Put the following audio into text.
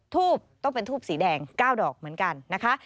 ทูบต้องเป็นทูบสีแดง๙ดอกเหมือนกันนะคะ